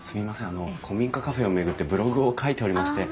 あの古民家カフェを巡ってブログを書いておりまして。